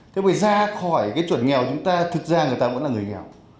thế mà ra khỏi cái chuẩn nghèo chúng ta thực ra người ta vẫn là người nghèo